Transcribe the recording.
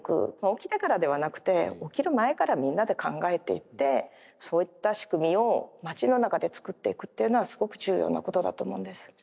起きてからではなくて起きる前からみんなで考えていってそういった仕組みを街の中で作っていくっていうのはすごく重要なことだと思うんです。